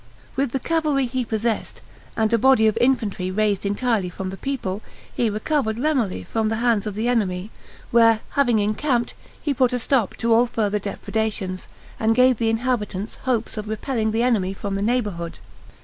With the cavalry he possessed, and a body of infantry raised entirely from the people, he recovered Remole from the hands of the enemy, where having encamped, he put a stop to all further depredations, and gave the inhabitants hopes of repelling the enemy from the neighborhood.